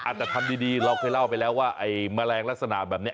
อาจารย์ทำดีลองไปเล่าไปแล้วว่าไอ้มะแรงลักษณะแบบนี้